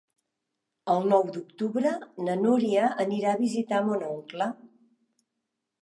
El nou d'octubre na Núria anirà a visitar mon oncle.